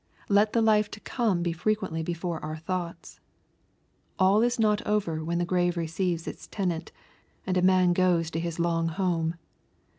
Let the life to come be frequently before our thoughts. All is not over when the grave receives its tenant, and man goes to his long home.